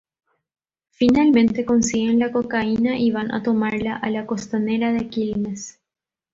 Finalmente consiguen la cocaína y van a tomarla a la costanera de Quilmes.